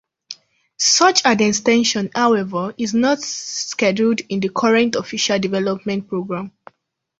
Such an extension, however, is not scheduled in the current official development program.